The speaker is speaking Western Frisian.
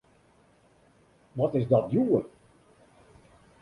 Wat is dat djoer!